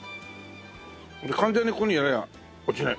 完全にこういうふうにやりゃ落ちない。